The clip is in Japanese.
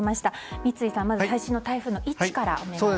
三井さん、最新の台風の位置からお願いします。